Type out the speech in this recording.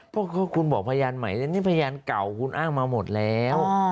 เพราะคุณบอกพยานใหม่แล้วนี่พยานเก่าคุณอ้างมาหมดแล้ว